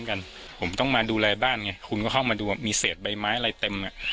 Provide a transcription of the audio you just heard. ก็ต้องมาดูรายบ้านเนียคุณก็เข้ามีเสธใบไม้อะไรเต็ม